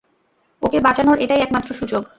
ওকে বাঁচানোর এটাই একমাত্র সুযোগ!